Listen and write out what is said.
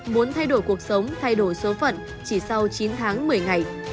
muốn thay đổi cuộc sống thay đổi số phận chỉ sau chín tháng một mươi ngày